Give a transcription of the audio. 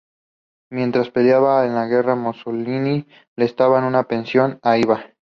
Mientras peleaba en la guerra, Mussolini le enviaba una pensión a Ida.